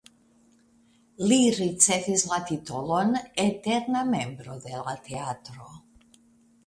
Li ricevis la titolon "eterna membro de la teatro".